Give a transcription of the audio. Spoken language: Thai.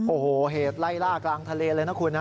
โอ้โหเหตุไล่ล่ากลางทะเลเลยนะคุณนะ